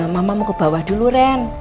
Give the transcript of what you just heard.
mama mau ke bawah dulu ren